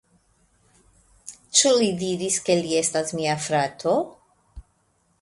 Ĉu li diris, ke li estas mia frato?